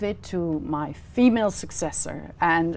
xin chào tất cả các bạn